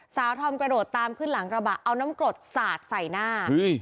ทอมกระโดดตามขึ้นหลังกระบะเอาน้ำกรดสาดใส่หน้า